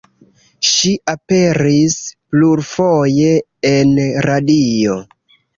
Ŝi aperis plurfoje en radio.